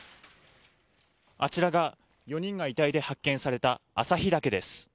あちらが４人が遺体で発見された朝日岳です。